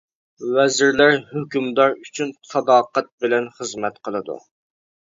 ۋەزىرلەر ھۆكۈمدار ئۈچۈن ساداقەت بىلەن خىزمەت قىلىدۇ.